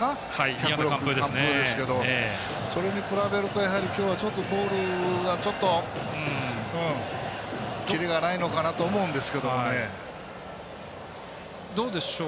１０６球完封ですけどそれに比べると、今日はボールがちょっと、キレがないのかなと思うんですけどね。